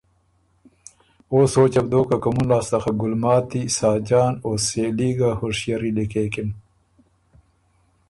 او سوچه بو دوک که کُومُن لاسته خه ګلماتی، ساجان او سېلي ګه هُشئری لیکېکِن۔